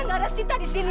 enggak ada sita di sini